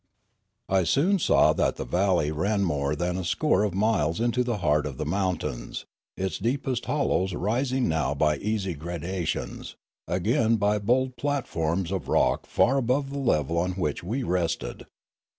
I soon saw that the valley ran more than a score of miles into the heart of the mountains, its deepest hol lows rising now by easy gradations, again by bold plat forms of rock far above the level on which we rested.